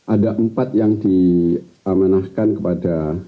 ada empat yang diamanahkan kepada